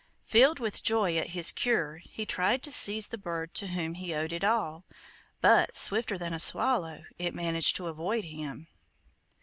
Filled with joy at his cure, he tried to seize the bird to whom he owed it all, but, swifter than a swallow, it managed to avoid him.